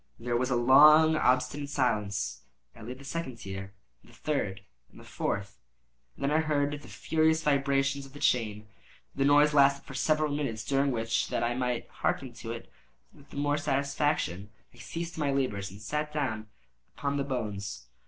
There was then a long and obstinate silence. I laid the second tier, and the third, and the fourth; and then I heard the furious vibrations of the chain. The noise lasted for several minutes, during which, that I might hearken to it with the more satisfaction, I ceased my labors and sat down upon the bones.